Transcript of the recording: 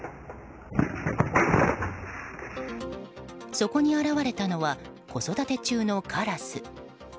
そこに現れたのは子育て中のカラス。